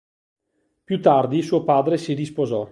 Più tardi suo padre si risposò.